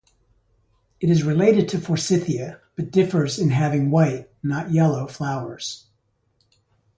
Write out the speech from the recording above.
It is related to "Forsythia", but differs in having white, not yellow, flowers.